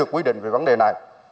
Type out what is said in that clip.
quy định về vấn đề này